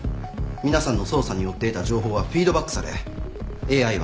皆さんの捜査によって得た情報はフィードバックされＡＩは進化していきますから。